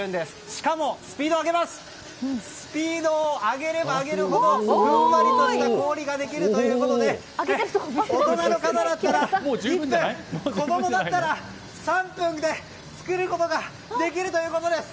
しかも、スピードを上げれば上げるほどふんわりとした氷ができるということで大人の方だったら１分子供だったら３分で作ることができるということです。